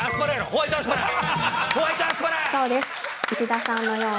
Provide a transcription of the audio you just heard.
ホワイトアスパラー！